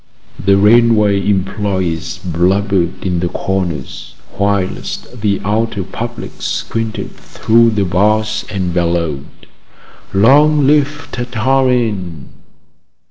The railway employees blubbered in the corners, whilst the outer public squinted through the bars and bellowed: "Long live Tartarin!"